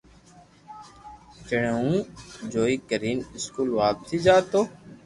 جڻي ھون ڇوٽي ڪرين اسڪول واپس جاتو